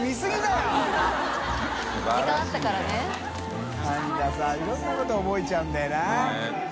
燭いろんなこと覚えちゃうんだよな。